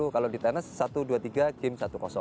kalau di tenis satu dua tiga kim satu